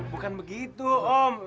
bukan begitu om